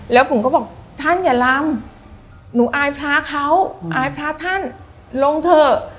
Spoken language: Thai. แล้วผมก็บอกท่านอย่าลำหนูอายพระเขาอายพระท่านลงเถอะ